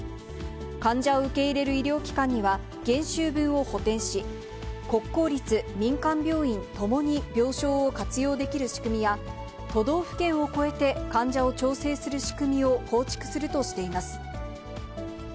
患者を受け入れる医療機関には、減収分を補填し、国公立、民間病院ともに病床を活用できる仕組みや、都道府県を越えて患者を調整する仕組みを構築するとしています。